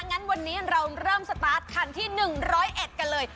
งั้นวันนี้เราเริ่มสตาร์ทคันที่๑๐๑กันเลย